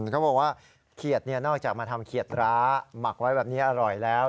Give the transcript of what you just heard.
เขาบอกว่าเขียดนอกจากมาทำเขียดร้าหมักไว้แบบนี้อร่อยแล้ว